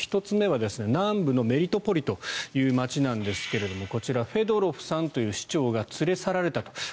１つ目は南部のメリトポリという街なんですがフェドロフさんという市長が連れ去られたと。